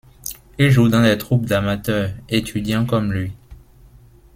Il joue dans des troupes d’amateurs, étudiants comme lui.